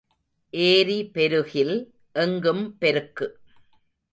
ஏரி பெருகில் எங்கும் பெருக்கு.